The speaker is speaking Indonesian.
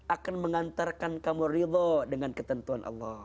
akan mengantarkan kamu ridho dengan ketentuan allah